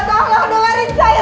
mbak tolong dengerin saya